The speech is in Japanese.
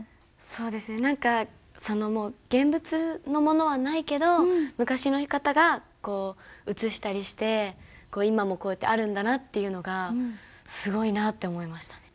そうですね何かもう現物のものはないけど昔の方が写したりして今もこうやってあるんだなっていうのがすごいなって思いましたね。